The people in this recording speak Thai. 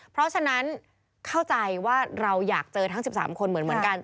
เพราะฉะนั้นเข้าใจว่าเราอยากเจอทั้ง๑๓คนเหมือนกัน